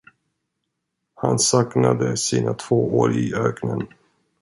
Han saknade sina två år i öknen.